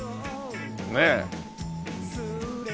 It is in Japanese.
ねえ。